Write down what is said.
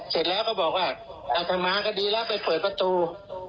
เสร็จแล้วก็บอกว่าอาจจะมาก็ดีแล้วไปเปิดประตู